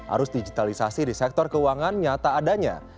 arus digitalisasi di sektor keuangan nyata adanya